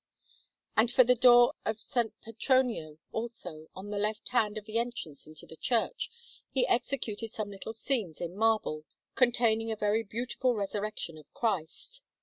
And for the door of S. Petronio, also, on the left hand of the entrance into the church, he executed some little scenes in marble, containing a very beautiful Resurrection of Christ.